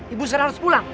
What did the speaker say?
ibu seharusnya pulang